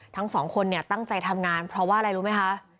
ทั้งสองคนเนี่ยตั้งใจทำงานเพราะว่าอะไรรู้ไหมคะ